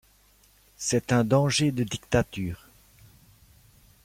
C'est un danger de dictature !